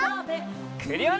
クリオネ！